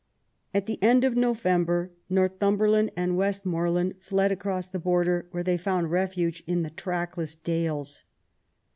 At the end of November Northumberland and Westmoreland fled across the Border, where they found refuge in the trackless dales.